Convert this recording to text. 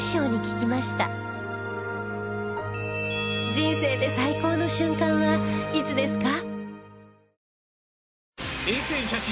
人生で最高の瞬間はいつですか？